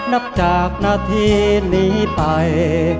นับจากนาทีนี้ไป